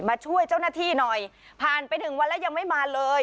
มาช่วยเจ้าหน้าที่หน่อยผ่านไปหนึ่งวันแล้วยังไม่มาเลย